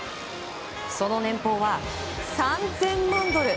その年俸は３０００万ドル。